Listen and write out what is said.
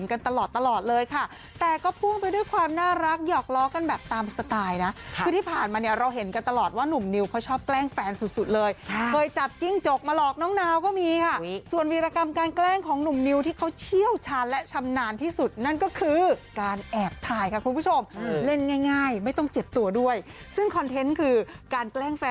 กันตลอดตลอดเลยค่ะแต่ก็พ่วงไปด้วยความน่ารักหยอกล้อกันแบบตามสไตล์นะคือที่ผ่านมาเนี่ยเราเห็นกันตลอดว่าหนุ่มนิวเขาชอบแกล้งแฟนสุดสุดเลยเคยจับจิ้งจกมาหลอกน้องนาวก็มีค่ะส่วนวีรกรรมการแกล้งของหนุ่มนิวที่เขาเชี่ยวชาญและชำนาญที่สุดนั่นก็คือการแอบถ่ายค่ะคุณผู้ชมเล่นง่ายไม่ต้องเจ็บตัวด้วยซึ่งคอนเทนต์คือการแกล้ง